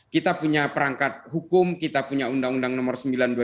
kita punya perangkat hukum kita punya undang undang nomor sembilan dua ribu dua